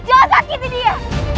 jangan sakiti dia